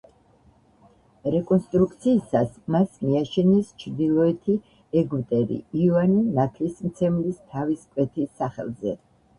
რეკონსტრუქციისას მას მიაშენეს ჩრდილოეთი ეგვტერი იოანე ნათლისმცემლის თავის კვეთის სახელზე.